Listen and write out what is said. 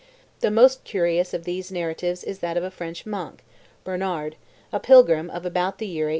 The most curious of these narratives is that of a French monk, Bernard, a pilgrim of about the year 870.